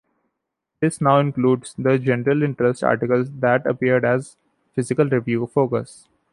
This now includes the general-interest articles that appeared as "Physical Review Focus".